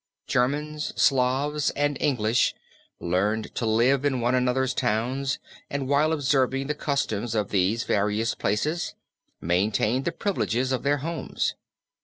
Germans, Slavs and English learned to live in one another's towns and while observing the customs of these various places maintained the privileges of their homes.